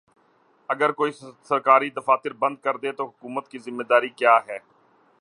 اگر کوئی سرکاری دفاتر بند کردے تو حکومت کی ذمہ داری کیا ہے؟